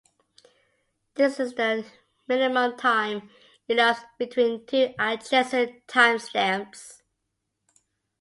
This is the minimum time elapsed between two adjacent timestamps.